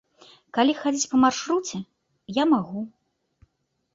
Калі хадзіць па маршруце, я магу.